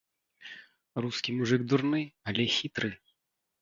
Рускі мужык дурны, але хітры.